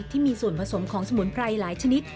ที่มีส่วนผสมของสมุนไพรหลายชนิด